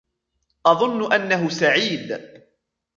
أظن أنه سعيد.